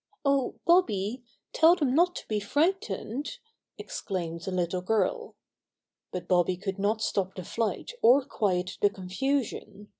"Oh, Bobby, tell them not to be frigh^^nedl" exclaimed the little girl. But Bobby could not stop the flight or quiet the confusion.